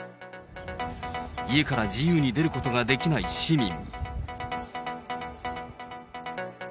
家から自由に出ることができない市民。